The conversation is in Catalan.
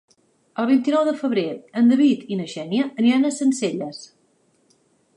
El vint-i-nou de febrer en David i na Xènia aniran a Sencelles.